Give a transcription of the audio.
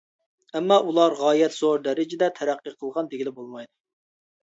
ئەمما ئۇلار غايەت زور دەرىجىدە تەرەققىي قىلغان دېگىلى بولمايدۇ.